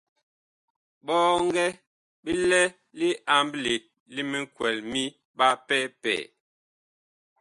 Bɔŋgɛ bi lɛ li amɓle li mikwɛl mi ɓapɛpɛɛ.